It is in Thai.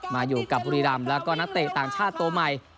มาอยู่กับบุรีรำแล้วก็นักเตะต่างชาติตัวใหม่